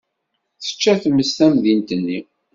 Tečča tmes tamdint-nni.